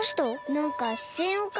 なんかしせんをかんじたの。